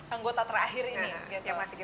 anggota terakhir ini